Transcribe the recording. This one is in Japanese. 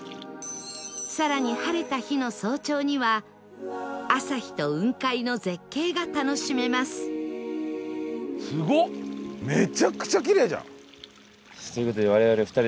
更に晴れた日の早朝には朝日と雲海の絶景が楽しめますという事で。